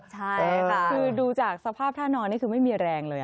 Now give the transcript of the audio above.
ใช่ค่ะคือดูจากสภาพท่านอนนี่คือไม่มีแรงเลย